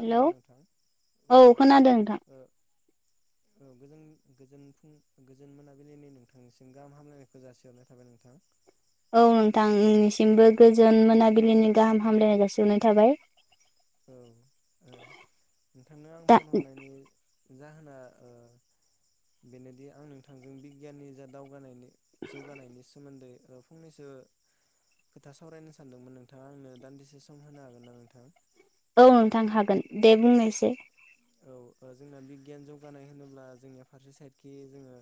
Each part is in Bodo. हेलौ नोंथां औ खोनादों नोंथां -औ गोजों गोजोन फुं गोजोन मोनाबिलिनि नोंथांनिसिम गाहाम हामग्लायनायखौ जासिहरनाय थाबाय नोंथां। औ नोंथां नोंनिसिमबो गोजोन मोनाबिलिनि गाहाम हामलायनाय जासिहनाय थाबाय। औ नोंथांनो आं दा फन हरनायनि जाहोना अ बेनोदि आं नोंथांजों बिगियाननि जा दावगानायनि जौगानायनि सोमोन्दै औ फंनैसो खोथा सावरायनो सानदोंमोन नोंथाङा आंनो दान्दिसे सम होनो हागोन ना नोंथां। औ नोंथां हागोन दे बुंनायसै। औ जोंना बिगियान जौगानाय होनोब्ला जोंनि फारसे साइडखि जोङो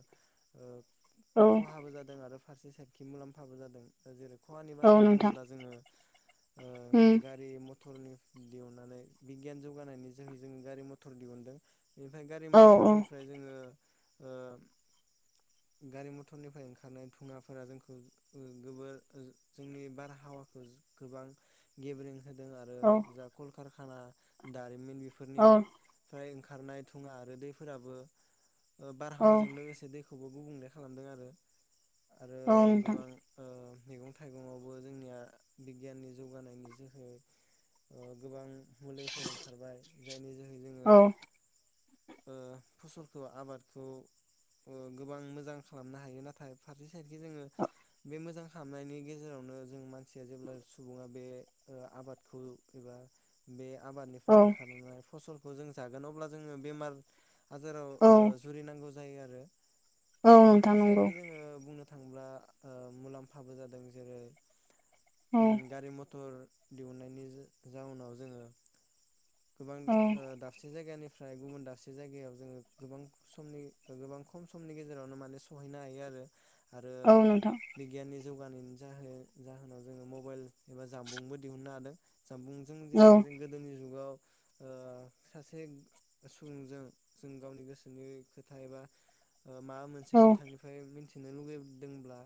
औ खहाबो जादों आरो फारसे साइथिं मुलाम्फाबो जादों जेरै खहानि औ बाथ्रा नोंथां बुङोब्ला जोङो अ उम गारि मथर मटरनि दिहुननानै बिगियान जौगानायनि जोहै जोङो गारि मथर थर दिहुनदों। बेनिफ्राय गारि औ औ मथरनिफ्राय जोङो अ गारि मथरनिफ्राय ओंखारनाय थुङाफोरा जोंखौ गोबोर जोंनि बारहावाखौ गोबां गेबेरें होदों आरो औ जा कल खाना दारि बेफोरनि औ प्राय ओंखारनाय थुङा आरो दैफोराबो औ बारहावाजों लोगोसे दैखो गुबुंले खालामदों आरो आरो औ नोंथां गोबां ओ मैगं थाइगंवावबो जोंनिया बिगियाननि जौगानायनि जोहै ओ गोबां मुलिफोर ओंखारबाय जायनि जोहै जोङो औ ओ फसलखौ आबादखौ ओ गोबां मोजां खालामनो हायो नाथाय फारसे- थिं जोङो बे मोजां खालामनायनि गेजेरावनो जों मानसिया जेब्ला सुबुङा बे ओ आबादखौ एबा बे आबादनिफ्राय औ ओंखारनाय फलखौ जों जागोन अब्ला जोङो बेमार आजाराव औ ओ जुरिनांगौ जायो आरो औ ओ नोंथां फारसे नंगौ सायेदखि जोङो बुंनो थांब्ला ओ मुलामफाबो जादों जेरै औ ओम गारि मथर दिहुननायनि ज जाउनाव जोङो गोबां औ ओ दाबसे जायगानि फ्राय गुबुन दाबसे जायगायाव जोङो गोबां समनि ओ गोबां खम समनि गेजेरावनो माने सहैनो हायो आरो आरो औ नोंथां बिगियाननि जौगानायनि जाहो जाहोनाव जोङो मबाइल एबा जानबुंबो दिहुननो हादों। जानबुंजों औ जेरै जों गोदोनि जुगाव ओ सासे सुबुंजों जों गावनि गोसोनि खोथा एबा ओ माबा मोनसे औ बिथांनिफ्राय मिनथि- नों लुगैदोंब्ला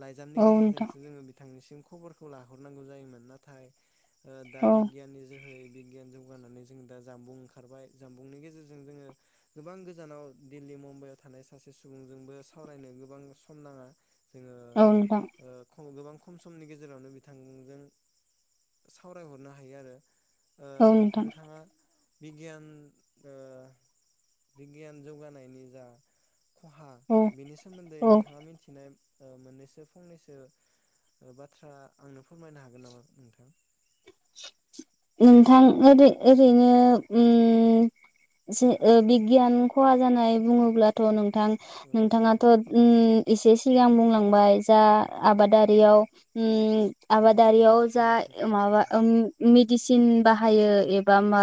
लाइजामनि औ नोंथां गेजेरजोंसो जोङो बिथांनिसिम खबरखौ लाहरनांगौ जायोमोन नाथाय ओ दा औ बिगियाननि जोहै बिगियान जौगानानै जों दा जानबुं ओंखारबाय जानबुंनि गेजेरजों जोङो गोबां गोजानाव दिल्ली, मुम्बाइआव थानाय सासे सुबुंजोंबो सावरायनो गोबां सम नाङा जोङो। औ नोंथां औ गोबां खम समनि गेजेरावनो बिथांजों सावरायहरनो हायो आरो। ओ औ नोंथां नोंथाङा बिगियान ओ बिगियान जौगानायनि जा खहा औ बेनि सोमोन्दै औ नोंथाङा मिथिनाय ओ मोननैसो फंनैसो बाथ्रा आंनो फोरमायनो हागोन नामा नोंथां? नोंथां ओरै ओरैनो ओम जे ओ बिगियान खहा जानाय बुङोब्लाथ' नों थां औ औ नोंथाङाथ' ओम एसे सिगां बुंलांबाय जा आबादारियाव ओम औ नंगौ आबादारियाव नंगौ जा आबाद फोथाराव औ माबा ओ मेदिसिन बाहायो एब बा मा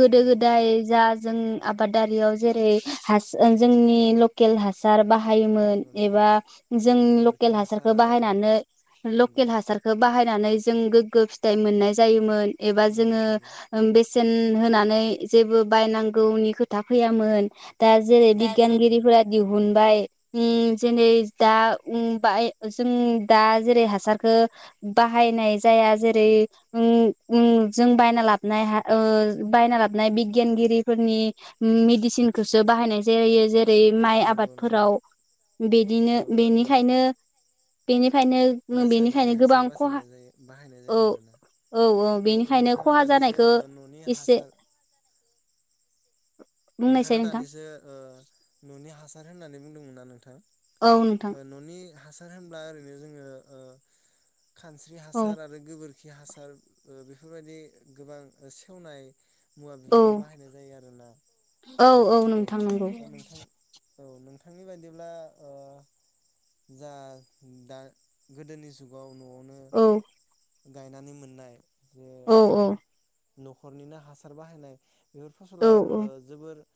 गोदो नंगौ नंगौ गोदाय जा जों आबादारियाव जेरै हास जोंनि लकेल हासार बा बाहायोमोन नंगौ नंगौ एबा जों जेरै गोबोरखि लकेल हासार हासारखौ आरो बाहायनानै नंगौ लकेल हासारखौ बाहाय नानै जों गोग्गो फि थाइ मोननाय जायोमोन। एबा नंगौ जोङो नंगौ ओ बेसे सेेन होनानै जेबो बायनांगौनि खोथा फैयामोन। दा जेरै नंगौ बिगियानगिरिफोरा दिहुन बाय ओम जेरै दा ओम बाय जों दा जेरै हासारखो बाहायनाय जाया जे रै ओं उम जों बायना लाबोनाय हा ओ बायना लाबोनाय बिगियानगिरिफोरनि मेदिसिनखौसो बाहायनाय जायो। जेरै रै माइ नंगौ नंगौ आबादफोराव औ बिदिनो गोबां बेनिखायनो बेनिखायनो रासायनारि बेनिखायनो हासार गोबां खहा बासायनाय जायो बाहायनाय औ जायो आरोना औ औ बेनिखायनो नोंथाङा खहा दानिसो जानायखो ओ न'नि इसे हासार नोंथाङा दानिसो ओ न'नि हासार होननानै बुंदोंमोन ना नोंथां औ नोंथां ओ न'नि हासार होनब्ला ओरैनो जोङो ओ खानस्रि औ हासार आरो गोबोर खि हासार ओ बेफोरबायदि गोबां सेवनाय मुवा औ बेफोरखौ बाहायनाय जायो आरो ना। औ औ नोंथां नंगौ औ नोंथांनि बायदिब्ला ओ जा दा गोदोनि जुगाव न'आव औ गायनानै मोननाय जे औ औ न'खरनिनो हासार बाहायनाय बेफोर औ फसला औ ओ जोबोर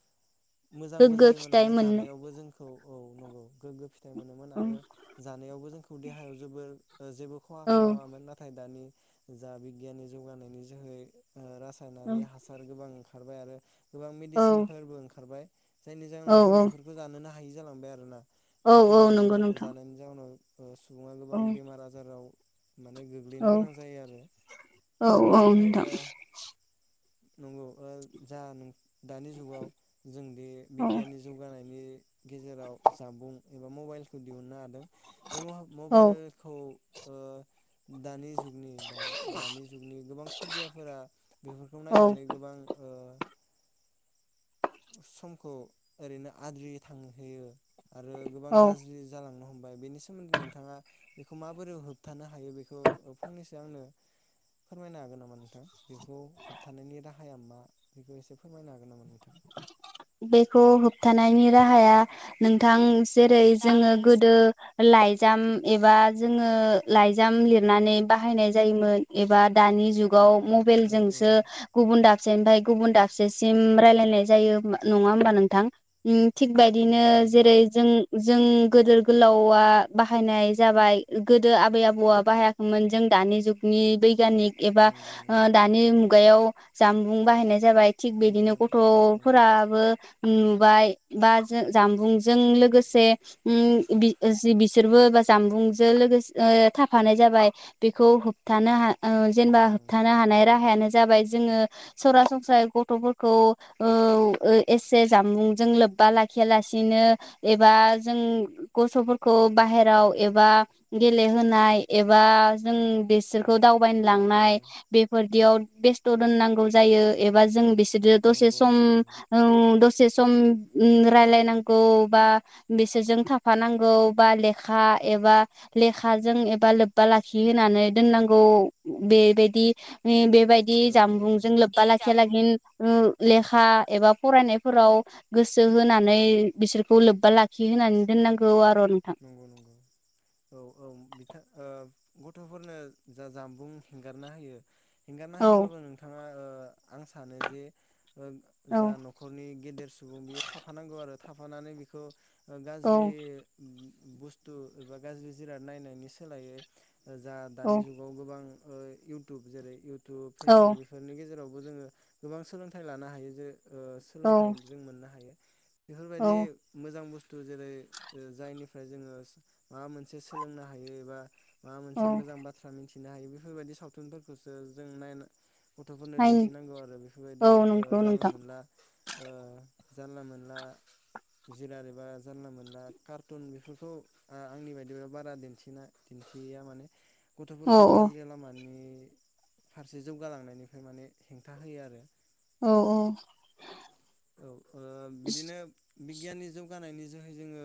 मोजांबो गोग्गो जायोमोन फिथाइ आरो मोननो जानायावबो जोंख औ औ नंगौ गोगो फि फिथाइ मोनोमोन औ आरो जानायावबो जोंखौ देहायाव जोबोर जेबो खहा औ खालामामोन नाथाय दानि जा बिगियाननि जौगानायनि जोहै औ रासायनारि हासार गोबां सारबाय आरो गोबां औ मेडिसिनफोरबो ओंखारबाय। जायनि जाहोनाव जों औ बेफोरखौ जानोना हायि जालांबाय आरो ना। औ बेफोरखौ औ नंगौ जाब्ला नोंथां जानायनि जाउनाव [unintelligible] सुबुङा औ गोबां बेमार आजाराव माने गोग्लैनो औ गोनां जायो आरो औ औ बेनिफ्राय नोंथां ओ नंगौ ओ जा नों दानि जुगाव जोंदि औ बिगियाननि जौगानायनि गेजेराव जानबुं एबा मबाइलखौ दिहुननो हादों। बे म औ मबाइलखौ ओ दानि जुग ओ जुगनि दानि जुगनि गोबां खुदियाफोरा बेफोरखौ औ नायनानै गोबां ओ समखौ ओरैनो आद्रि थांहोयो आरो गोबां औ गाज्रि जालांनो हमबाय। बेनि सोमोन्दै नोंथाङा बेखौ माबोरै होबथानो हागो हायो बेखौ फंनैसो ओ आंनो फोरमायनो हागोन नामा नोंथां? बेखौ होबथानायनि राहाया मा बेखौ एसे फोरमायनो हागोन नामा नोंथां? बेखौ होबथानायनि राहाया नोंथां जेरै जोङो गोदो लाइजाम एबा जोङो लाइजाम लिरनानै बाहायनाय जायोमोन एबा दानि जुग दानि जुगाव औ औ मबेलजोंसो गुबुन दाब दाबसे ओमफ्राय गुबुन दाबसेम रायलायनाय [unintelligible] जायो नङा होमबा नोंथां? ओम थिगबेदिनो नंगौ नंगौ जेरै जों जों गोदोर गोलावा बाहायनाय जाबाय गोदो आबै आबौआ बाहायाखैमोन जों दानि जुगनि बैगानिक एबा नंगौ ओ नंगौ दानि मुगायाव जामबुं बाहायनाय जाबाय। थिग बिदिनो बिगियान गथ' औ औ बाबो नुबाय बा जो जामबुंजों लोगोसे उम बि जि बिसोरबो बा जामबुंजों लोगोसे ओ थाफानाय जाबाय बेखौ होबथानो हा ओ जेनबा नंगौ नंगौ होबथानो हानाय राहायानो जाबाय जोङो सरासनस्रायै गथ'फोरखौ औ एसे जामुंजों लोब्बा लाखिया लासिनो एबा जों गथ'फोरखौ बाहेराव एबा गेलेहोनाय एबा जों बिसोरखौ दावबाय औ औ लांनाय बेफोरदियाव बेस्थ' दोननांगौ जायो एबा जों बिस [unintelligible] नंगौ दसेस उम नंगौ नंगौ औ दसे सम उम रायलायनांगौ बा बिसोरजों थाफानांगौ बा लेखा एबा लेखाजों एबा लोब्बा लाखि होनानै दोननांगौ बेबायदि ओ बेब बेबायदि औ औ औ जामबुंजों लोब्बा लाखिया लाखिन ओ बा एबा फरायनायफोराव गोसो होनानै बिसोरखौ लोब्बा लाखि होनानै दोननांगौ आरद नंगौ नंगौ औ औ बिथा ओ गथ'फोरनो जा जामबुं हेंगारना होयो एंगारना औ होब्लाबो नोंथाङा ओ आं सानो जे ओ औ जा न'खरनि गेदेर सुबुं बेयो थाफानांगौ आरो थाफानानै बिखौ ओ औ गाज्रि बुस्थु एबा गाज्रि जिराद नायनायनि सोलायै जा औ दानि जुगाव गोबां ओ इउटुब जेरै इउथ थु औ फेसबुक बेफोरनि गेजेराव बो जोङो गोबां सोलोंथाइ लानो हायो जे ओ औ सोलोंथाइ जों मोननो हायो। औ बेफोरबायदि मोजां बुस्थ थु जेरै ओ जायनिफ्राय जोङोस माबा मोनसे सोलोंनो हायो एबा माबा मोनसे औ मोजां बाथ्रा मिथि थिनो हायो बेफोरबायदि सावथुनफोरखौसो जों नायनो गथ'फोरनो नाय दिन्थिनांगौ आरो बेफोरबायदि औ ओ नंगौ जानला नोंथां मोनला ओ जानला मोनला जिराद एबा जानला मोनला कार्टुन बेफोरखौ ओ आंनि बायदिबा बारा दिन्थिना दिन्थियैया माने औ गथ'फोरखौ औ गाज्रि लामानि फारसे जौगालांनायनिफ्राय माने हेंथा होयो आरो औ औ औ ओ बिदिनो बिगियाननि जौगानायनि जोहै जोङो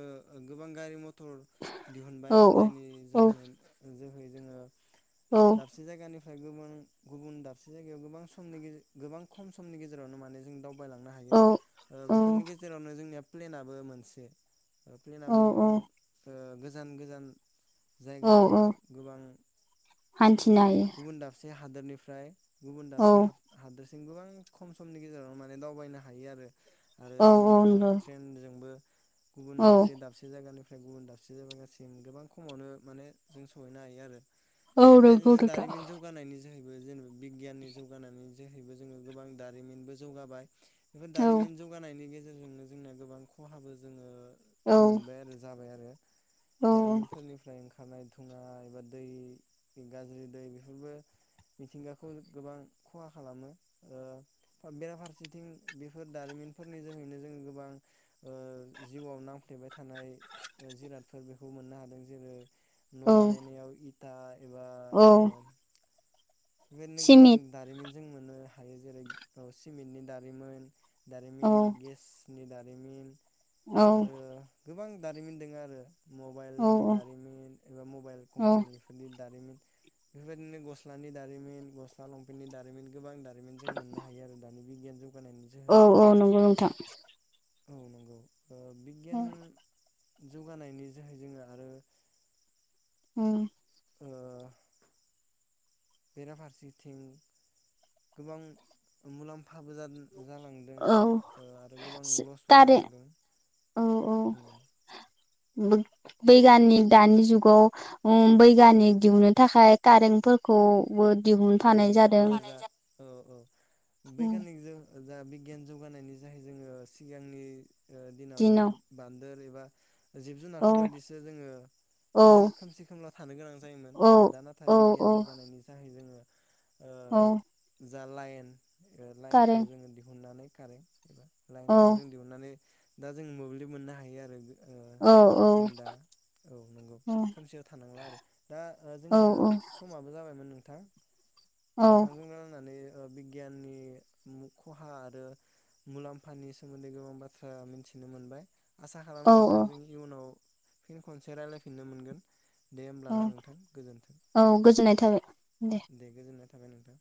गोबां गारि मथ र दिहुनबाय औ जायनि औ जोहै जोङो औ दाबसे जायगानि फ्राय गुबुन गुबुन दाबसे जायगायाव गोबां गोबां खम समनि गेजेरावनो माने जों दावबायलांनो हायो। औ औ बेफोरनि गेजेरावनो जोंनिया। प्लेनाबो मोनसे प्लेनाबबो औ गोबां ओ गोजान गोजान औ जायगा एबा औ गोबां हान्थिनो हायो गुबुन दाबसे हादोरनिफ्राय गुबुन औ दाबसे हादोर गोबां खम समनि गेजेराव माने दावबायना हायो आरो आरो औ औ जोंनिया नंगौ ट्रेनजोंबो गुबुन औ मोनसे दाबसे जायगानि ओमफ्राय गुबुन दाबसे जाबाय गासिम गोबां खमावनो माने जों सहैनो हायो आरो औ नंगौ बेबायदिनो नोंथां दारिमिन जौगानायनि जोहै गो जेनेब बिगियाननि जौगानानै जेरहैबो जोङो गोबां दारिमिनबो जौगाबाय। बेफोर औ दारिमिन जौगानायनि गेजेरज गेजेरजोंनो जोंनिया गोबां खहाबो जोङो औ मोनबाय आरो जाबाय आरो औ [inaudible] दारिमनफोरनिफ्राय ओं खारनाय थुङा एबा दै गाज्रि दै बेफोरबो मिथिंगाखौ गोबां खहा खालामो बेराफारसेथिं बेफोर दारिमिनफोरनि जोहैनो जों गोबां ओ जिउआव नांफ्लेबाय थ थानाय जिरादफोर बे खौ मोननो हादों जेरै औ न' बानायनायाव दा एबा औ। ओ [unintelligible] गोबां सिमित दारिमिन जों मोननो हायो जेरै सिमेन्टनि दा रिमोन औ दारमिन, गेसनि दारिमिन रिमिन आरो गोबां दारिमिन दङ आरो औ मबाइलनि दारिमिन एबा मबाइल औ कम्पानिफोरनि दारिमिन बेफोरबायदिनो गस्लानि दारिमिन गस्ला लंपेन्टनि दारिमिन गोबां दा बिगियाननि औ औ नंगौ नोंथां। औ नंगौ। थ' बिगियान औ जौगानायनि जोहै जोंङो आरो औ। ओ बेरफारसेथिं गोबां मुलाम फाबो जाद-जालांदों आरो ओ गोबां लसबो कारे जालांदों। औ। औ। बैग-बैगानिक दानि जुगाव बैगानिक दिहुननो थाखाय कारेन्टफोरखौ बो नंगौ औ दिहुनफानाय नंगौ जादों बैगानिकजों जा बिगियान जौगानायनि जाहै जोंङो सिगांनि ओ दिनाव जों बान [unintelligible] जिब औ जुनारफोर बायदिसो जोंङो औ थानो खोमसि खोमला थानो गोनां जायोमोन औ दा नाथाय औ बिगियान औ जौगानायनि थाखाय जोंङो औ। जा लाइन ओ लाइनखौ कारेन्ट जोंङो दिहुननानै कारेन्ट औ लाइनखौ जों दिहुननानै दा जों मोब्लिब मोननो हायो आरो ओ औ जों दा औ नंगौ औ खोमसियाव थानांला आरो दा ओ औ जोंनिया समाबो जाबायमोन नों थां औ नोंथांजों रायलायनानै ओ बि गियाननि मु खहा आरो मुलाम्फानि सोमोन्दै गोबां बाथ्रा मिन्थिनो मोनबाय। आसा औ खालामो नोंथांजों इयुनाव फिन खनसे रायलायफिननो मोनगोन दे अ होमब्लाना नोंथां गोजोन्थों औ गोजोननाय थाबाय। दे गोजोननाय थाबाय नोंथां।